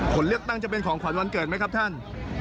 ผลเลือกตั้งจะเป็นของขวัญวันเกิดไหมครับท่าน